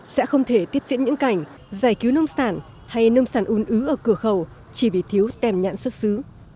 sẽ không thể tiếp diễn những cảnh giải cứu nông sản hay nông sản un ứ ở cửa khẩu chỉ vì thiếu tem nhãn xuất xứ